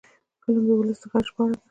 فلم د ولس د غږ ژباړه ده